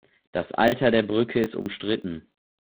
Das Alter der Brücke ist umstritten.